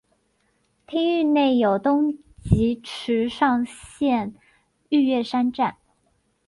町域内有东急池上线御岳山站。